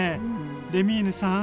レミーヌさん